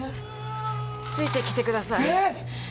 ついてきてください。